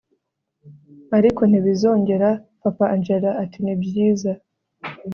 ariko ntibizongera! papa angella ati ni byiza